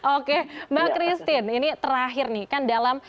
oke mbak christine ini terakhir nih kan dalam